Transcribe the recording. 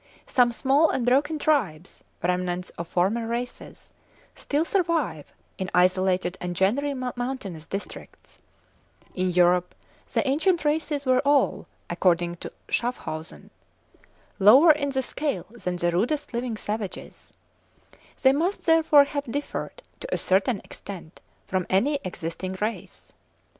Some small and broken tribes, remnants of former races, still survive in isolated and generally mountainous districts. In Europe the ancient races were all, according to Shaaffhausen (29. Translation in 'Anthropological Review,' Oct. 1868, p. 431.), "lower in the scale than the rudest living savages"; they must therefore have differed, to a certain extent, from any existing race.